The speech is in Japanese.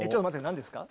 何ですか？